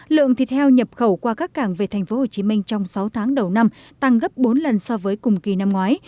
lượng thịt heo nhập khẩu qua các cảng về tp hcm trong sáu tháng đầu năm tăng gấp bốn lần so với cùng kỳ năm ngoái